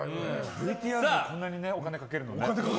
ＶＴＲにこんなにお金かけるのね。